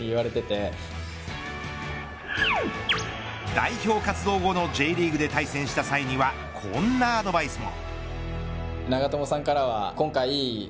代表活動後のＪリーグで対戦した際にはこんなアドバイスも。